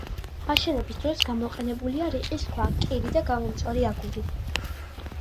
აშენების დროს გამოყენებულია რიყის ქვა, კირი და გამომწვარი აგური.